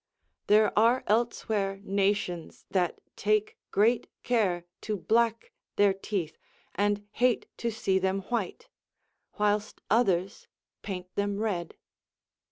There are elsewhere nations that take great care to black their teeth, and hate to see them white, whilst others paint them red.